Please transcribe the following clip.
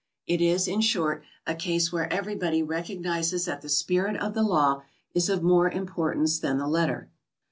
It is, in short, a case where everybody recognizes that the spirit of the law is of more importance than the letter.